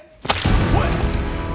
おい！